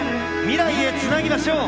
未来へつなぎましょう！